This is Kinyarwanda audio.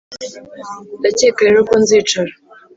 ndakeka rero ko nzicara